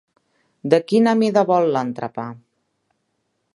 De quina mida vol l'entrepà?